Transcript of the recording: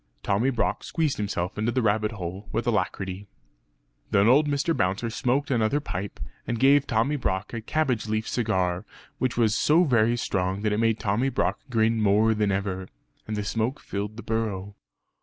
Tommy Brock squeezed himself into the rabbit hole with alacrity. Then old Mr. Bouncer smoked another pipe, and gave Tommy Brock a cabbage leaf cigar which was so very strong that it made Tommy Brock grin more than ever; and the smoke filled the burrow.